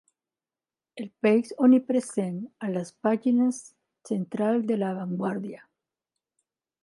El peix omnipresent a les pàgines centrals de La Vanguardia.